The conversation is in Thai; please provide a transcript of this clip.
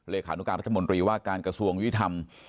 ขานุการรัฐมนตรีว่าการกระทรวงยุทธรรม